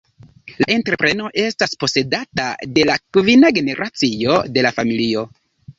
La entrepreno estas posedata de la kvina generacio de la familio.